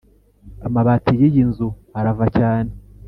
Amabati yiyinzu arava cyane